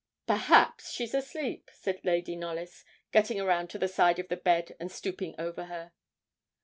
'Perhaps she's asleep?' said Lady Knollys, getting round to the side of the bed, and stooping over her.